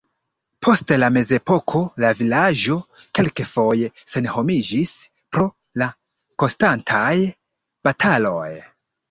Post la mezepoko la vilaĝo kelkfoje senhomiĝis pro la konstantaj bataloj.